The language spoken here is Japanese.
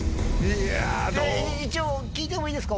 一応聞いてもいいですか？